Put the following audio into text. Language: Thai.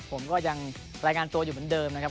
ผมก็ยังรายงานตัวอยู่เหมือนเดิมนะครับ